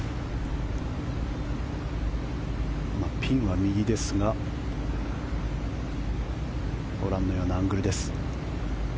ピンは右ですがご覧のようなアングルです。